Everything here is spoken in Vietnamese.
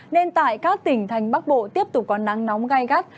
nên tại các tỉnh thành bắc bộ tiếp tục có nắng nóng gai gắt